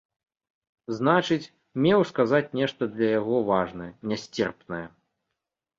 Значыць, меў сказаць нешта для яго важнае, нясцерпнае.